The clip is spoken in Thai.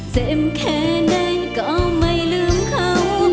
เจ็บแค่ไหนก็ไม่ลืมเขา